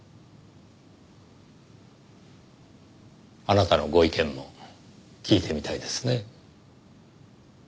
あなたのご意見も聞いてみたいですね。